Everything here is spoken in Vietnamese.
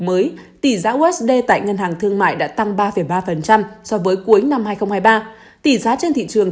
mới tỷ giá usd tại ngân hàng thương mại đã tăng ba ba so với cuối năm hai nghìn hai mươi ba tỷ giá trên thị trường